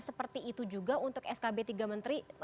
seperti itu juga untuk skb tiga menteri